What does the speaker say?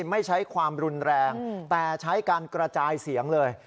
ไม่ใช้ความรุนแรงแต่ใช้การกระจายเสียงเลย